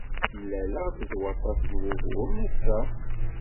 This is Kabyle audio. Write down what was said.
Mlaleɣ-d ed waṭas n wuguren ass-a.